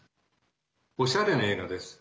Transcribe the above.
おしゃれな映画です。